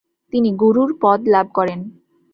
তিনি গুরুর পদ লাভ করেন।